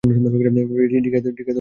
রিকাকে প্রকট হতে দেবে না।